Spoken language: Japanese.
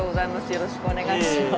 よろしくお願いします。